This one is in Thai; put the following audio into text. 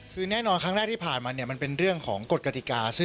คือแน่นอนครั้งแรกที่ผ่านมาเนี่ยมันเป็นเรื่องของกฎกติกา